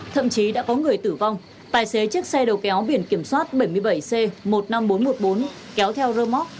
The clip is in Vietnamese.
thậm chí đã có người tử vong tài xế chiếc xe đầu kéo biển kiểm soát bảy mươi bảy c một mươi năm nghìn bốn trăm một mươi bốn kéo theo rơ móc